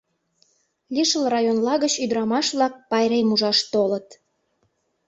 Лишыл районла гыч ӱдырамаш-влак пайрем ужаш толыт.